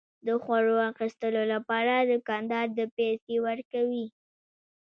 د خوړو اخیستلو لپاره دوکاندار ته پيسى ورکوي.